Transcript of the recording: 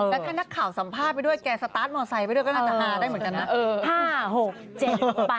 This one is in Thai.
แล้วถ้านักข่าวสัมภาษณ์ไปด้วยแกสตาร์ทมอไซค์ไปด้วยก็น่าจะฮาได้เหมือนกันนะ